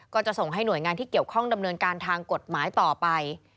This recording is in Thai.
ก็จะส่งให้หน่วยงานที่เกี่ยวข้องดำเนินการทางกฎหมายต่อไป